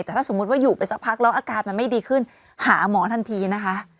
แต่ถ้าสมมุติว่าอยู่ไปสักพักแล้วอาการมันไม่ดีขึ้นหาหมอทันทีนะคะ